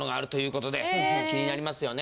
気になりますよね。